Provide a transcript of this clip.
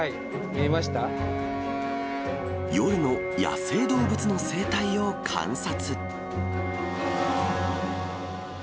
夜の野生動物の生態を観察。